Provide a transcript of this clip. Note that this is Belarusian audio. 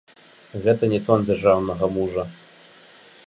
Гэта не тон дзяржаўнага мужа.